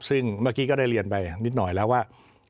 ซึ่งเมื่อกี้ก็ได้เรียนไปนิดหน่อยแล้วว่า